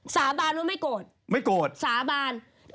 สาบานว่าไม่โกรธ